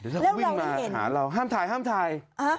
ถ้าเขาวิ่งมาหาเราห้ามถ่ายห้ามถ่าย